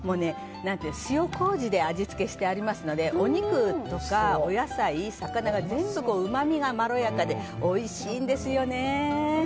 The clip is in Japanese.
塩麹で味付けしてありますのでお肉とかお野菜、魚が全部うまみがまろやかでおいしいんですよね。